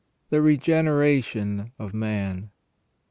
THE REGENERATION OF MAN.